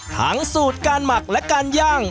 สูตรการหมักและการย่าง